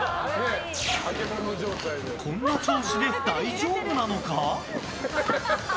こんな調子で大丈夫なのか？